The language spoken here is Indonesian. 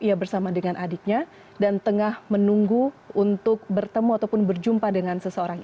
ia bersama dengan adiknya dan tengah menunggu untuk bertemu ataupun berjumpa dengan seseorang